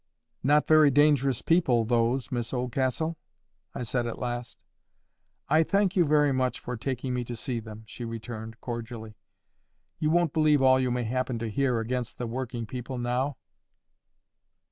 "Not very dangerous people, those, Miss Oldcastle?" I said, at last. "I thank you very much for taking me to see them," she returned, cordially. "You won't believe all you may happen to hear against the working people now?"